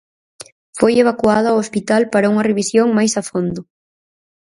Foi evacuado ao hospital para unha revisión máis a fondo.